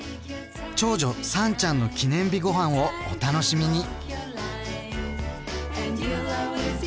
長女さんちゃんの記念日ごはんをお楽しみに！